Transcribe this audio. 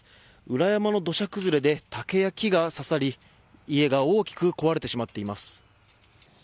裏山の土砂崩れで竹や木が刺さり家が大きく壊れてしまっています。